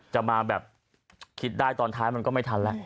จะมาแบบคิดได้ตอนท้ายมันก็ไม่ทันแล้ว